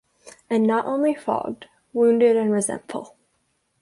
And not only fogged — wounded and resentful.